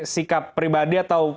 sikap pribadi atau